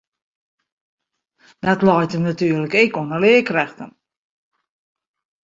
Dat leit him natuerlik ek oan de learkrêften.